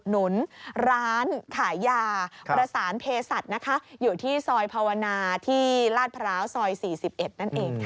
คุณลุงประสานเพศัตริย์อยู่ที่ซอยภาวนาที่ราชพระราชซอย๔๑